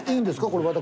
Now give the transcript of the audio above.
これ私。